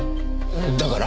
だから？